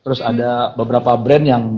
terus ada beberapa brand yang